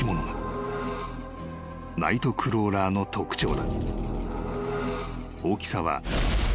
［ナイトクローラーの特徴だ］